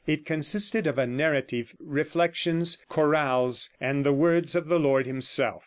It consisted of a narrative, reflections, chorales, and the words of the Lord Himself.